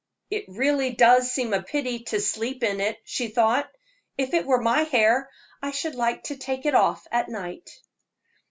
"It really does seem a pity to sleep in it," she thought. "If it were my hair I should like to take it off at night."